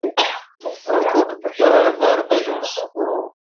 لوکوٹ بار بار بزوس۔